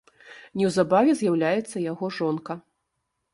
Неўзабаве з'яўляецца яго жонка.